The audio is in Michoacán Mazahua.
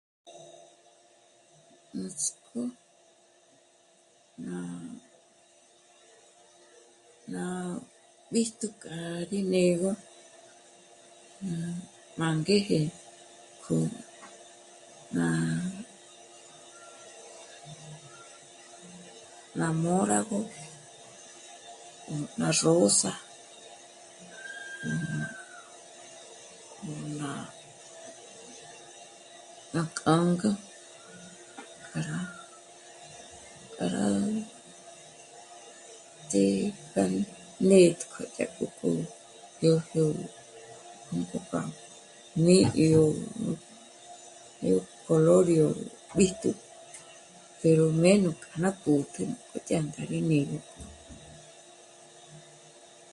Nuts'k'ó ná... ná b'íjtu k'a rí né'egö mângéje k'o ná... ná móragö, ná rósa, ná k'ânga, rá... rá... ts'í kja rí nétk'o dyájtko yó mbǜpjo kja ní'i yó... yó color yó jb'ítju pero ménu k'a ná pòtjü dyàjk'a rí mí'migö